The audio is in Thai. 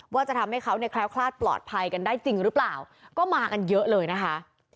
ว่าจะทำให้เขาเนี่ยแคล้วคลาดปลอดภัยกันได้จริงหรือเปล่าก็มากันเยอะเลยนะคะ